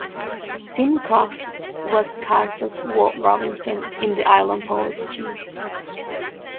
Simcox was cast as Walt Robinson, the island police chief.